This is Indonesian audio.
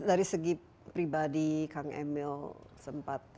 dari segi pribadi kang emil sempat